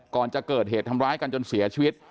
ก่อนจะเกิดเหตุทำร้ายกันจนเสียชีวิต